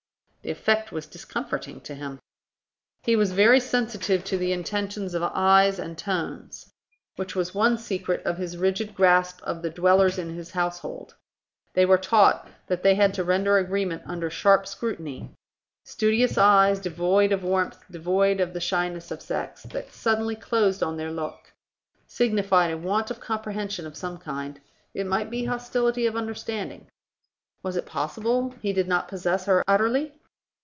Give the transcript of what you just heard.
The effect was discomforting to him. He was very sensitive to the intentions of eyes and tones; which was one secret of his rigid grasp of the dwellers in his household. They were taught that they had to render agreement under sharp scrutiny. Studious eyes, devoid of warmth, devoid of the shyness of sex, that suddenly closed on their look, signified a want of comprehension of some kind, it might be hostility of understanding. Was it possible he did not possess her utterly?